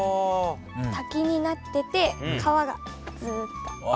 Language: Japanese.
滝になってて川がずっと。